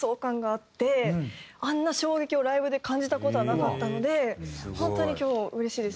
あんな衝撃をライブで感じた事がなかったので本当に今日うれしいです。